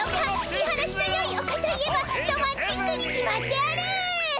見晴らしのよいおかといえばロマンチックに決まっておる！